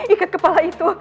ikat kepala itu